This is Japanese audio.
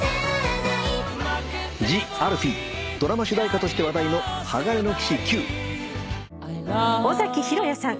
ＴＨＥＡＬＦＥＥドラマ主題歌として話題の『鋼の騎士Ｑ』尾崎裕哉さん